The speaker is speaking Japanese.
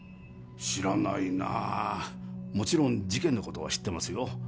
知らないなもちろん事件のことは知ってますよ